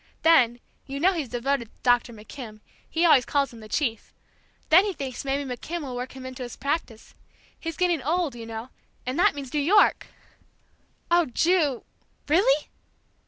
Then you know he's devoted to Dr. McKim, he always calls him 'the chief,' then he thinks maybe McKim will work him into his practice, he's getting old, you know, and that means New York!" "Oh, Ju, really!"